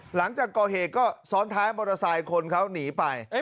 หลังจากก่อเหตุก็ซ้อนท้ายบริษัทคนเขาหนีไป